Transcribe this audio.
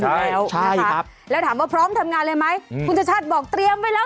อยู่แล้วแล้วถามว่าพร้อมทำงานเลยไหมคุณชัชชาติบอกเตรียมแล้ว